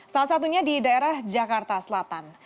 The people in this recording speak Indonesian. salah satunya di daerah jakarta selatan